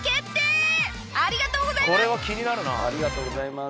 ありがとうございます！